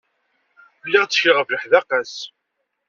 Lliɣ ttekleɣ ɣef leḥdaqa-s.